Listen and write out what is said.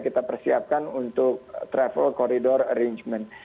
kita persiapkan untuk travel corridor arrangement